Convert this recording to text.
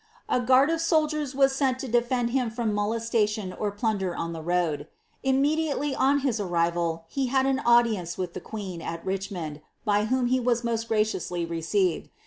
A goard of soldiers wai aeni to defend him from molestation or pinnder on the road. hDn» diatelj on his arrival, he had an audience of the qneen, at Richmond, by whom he was most gracionsly received.